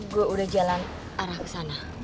gue udah jalan arah sana